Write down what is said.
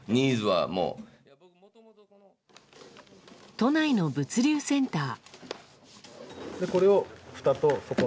都内の物流センター。